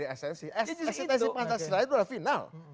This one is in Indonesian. eksensi pancasila itu adalah final